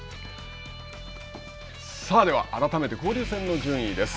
さあでは改めて交流戦の順位です。